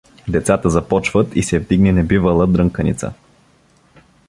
Децата започват и се вдигне небивала дрънканица.